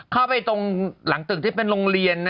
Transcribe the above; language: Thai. เข้าไปตรงหลังตึกที่เป็นโรงเรียน